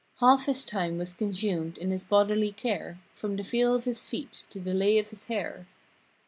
Half his time was consumed in his bodily care; From the feel of his feet, to the lay of his hair.